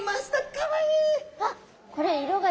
かわいい！